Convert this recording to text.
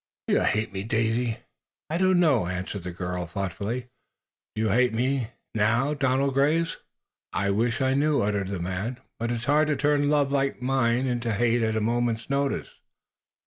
"Do you hate me, Daisy?" "I don't know," the girl answered, thoughtfully. "Do you hate me, now, Donald Graves?" "I wish I knew," uttered the man. "But it's hard to turn love like mine into hate at a moment's notice.